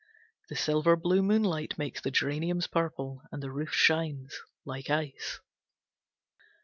The silver blue moonlight makes the geraniums purple, and the roof shines like ice.